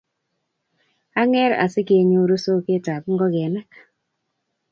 ang'er asikenyoru soketab ngokenik